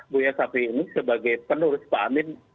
buya syafiee ini sebagai penulis pak amin